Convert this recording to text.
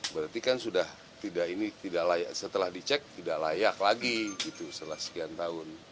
berarti kan sudah tidak ini tidak layak setelah dicek tidak layak lagi gitu setelah sekian tahun